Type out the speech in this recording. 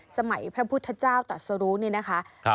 พระพุทธเจ้าตัดสรุนี่นะคะ